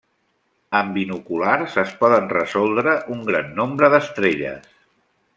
Amb binoculars es poden resoldre un gran nombre d'estrelles.